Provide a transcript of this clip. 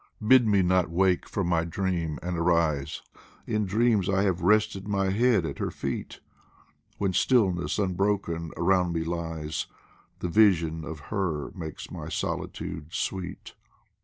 Bid me not wake from my dream and arise, In dreams I have rested my head at her feet When stillness unbroken around me lies, The vision of her makes my solitude sweet.